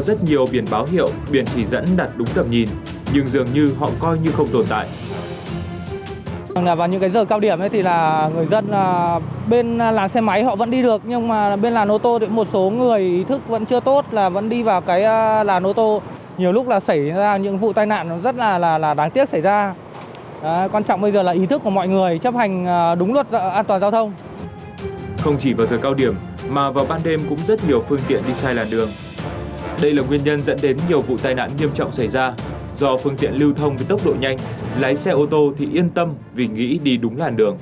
do phương tiện lưu thông với tốc độ nhanh lái xe ô tô thì yên tâm vì nghĩ đi đúng làn đường